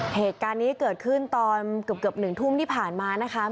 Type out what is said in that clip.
เหตุการณ์นี้เกิดขึ้นตอนเกือบ๑ทุ่มที่ผ่านมานะคะ